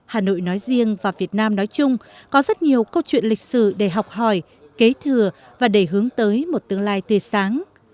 hà nội nói riêng và việt nam nói chung có rất nhiều câu chuyện lịch sử để học hỏi kế thừa và để hướng tới một tương lai tươi sáng